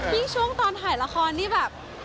นี่ช่วงตอนถ่ายละครนี่แบบ